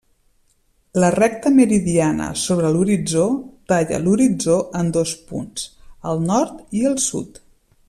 La recta meridiana sobre l'horitzó talla l'horitzó en dos punts, el nord i el sud.